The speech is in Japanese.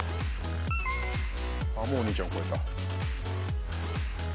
もうお兄ちゃん超えた。